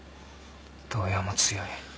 動揺も強い。